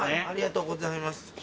ありがとうございます。